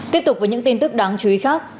tiếp tục với những tin tức đáng chú ý khác